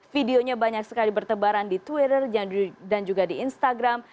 videonya banyak sekali bertebaran di twitter dan juga di instagram